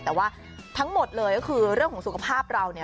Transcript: แต่ว่าทั้งหมดเลยก็คือเรื่องของสุขภาพเราเนี่ย